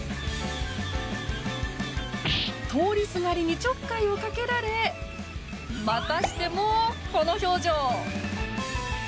通りすがりにちょっかいをかけられまたしても、この表情。